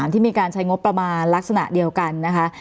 ที่มีการใช้งบประมาณลักษณะเดียวกันนะคะ